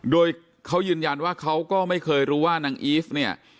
โดยเขายืนยันว่าเขาก็ไม่เคยรู้ว่านางอีฟเนี่ย